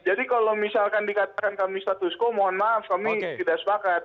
jadi kalau misalkan dikatakan kami status quo mohon maaf kami tidak sepakat